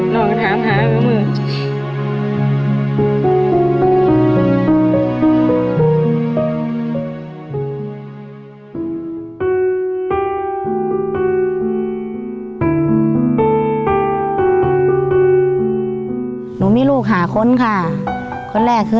ลองกันถามอีกหลายเด้อ